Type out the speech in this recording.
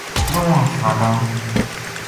ترواں سالا ں